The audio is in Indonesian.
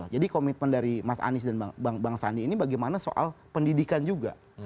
jadi komitmen dari mas anies dan bang sandi ini bagaimana soal pendidikan juga